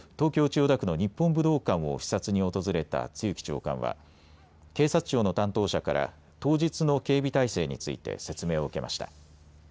千代田区の日本武道館を視察に訪れた露木長官は警察庁の担当者から当日の警備態勢について説明を受けました。